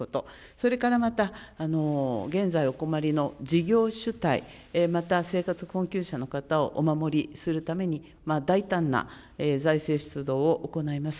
それからまた、現在お困りの事業主体、また生活困窮者の方をお守りするために、大胆な財政出動を行います。